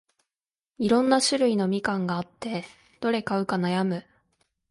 いろんな種類のみかんがあって、どれ買うか悩む